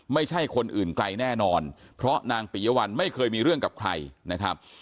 ไม่ใช่คนอื่นไกลแน่นอนเพราะนางปิยวัลไม่เคยมีเรื่องกับใครนะครับ